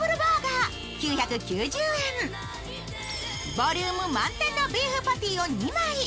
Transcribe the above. ボリューム満点のビーフパティを２枚。